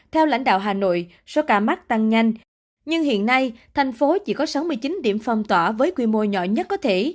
theo lãnh đạo hà nội số ca mắc tăng nhanh nhưng hiện nay thành phố chỉ có sáu mươi chín điểm phong tỏa với quy mô nhỏ nhất có thể